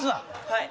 はい。